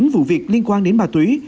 một mươi chín vụ việc liên quan đến bà túy